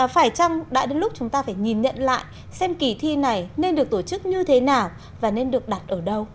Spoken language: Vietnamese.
phải chăng đã đến lúc chúng ta phải nhìn nhận lại xem kỳ thi này nên được tổ chức như thế nào và nên được đặt ở đâu